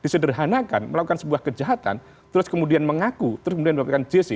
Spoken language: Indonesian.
disederhanakan melakukan sebuah kejahatan terus kemudian mengaku terus kemudian melakukan jc